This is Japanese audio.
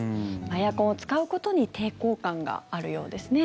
エアコンを使うことに抵抗感があるようですね。